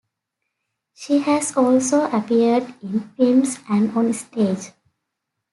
She has also appeared in films and on stage.